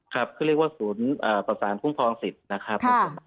ครับเขาเรียกว่าศูนย์ประสานคุ้มครองสิทธิ์นะครับ